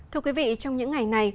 thưa quý vị trong những ngày này